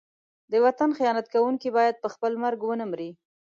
د وطن خیانت کوونکی باید په خپل مرګ ونه مري.